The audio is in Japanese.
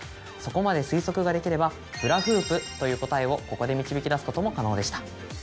そこまで推測ができれば「フラフープ」という答えをここで導き出すことも可能でした。